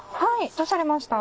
どうされました？